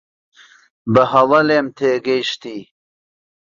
بەهەڵە لێم تێگەیشتی.